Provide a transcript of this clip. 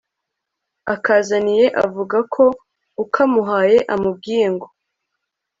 akazaniye avuga ko ukamuhaye amubwiye ngo